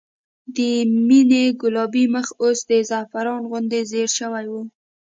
د مينې ګلابي مخ اوس د زعفران غوندې زېړ شوی و